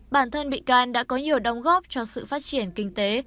bản thân bị can đã có nhiều đóng góp cho sự phát triển kinh tế